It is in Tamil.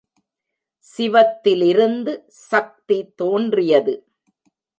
சிவத்திலிருந்து சக்தி தோன்றியது.